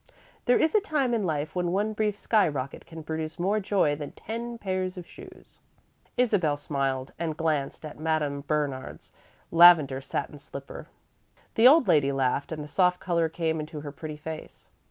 There is a time in life when one brief sky rocket can produce more joy than ten pairs of shoes." Isabel smiled and glanced at Madame Bernard's lavender satin slipper. The old lady laughed and the soft colour came into her pretty face.